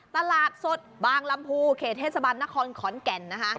ตลาดสดบางลำพูเขตเทศบาลนครขอนแก่นนะคะ